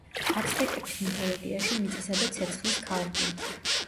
აცტეკების მითოლოგიაში მიწისა და ცეცხლის ქალღმერთი.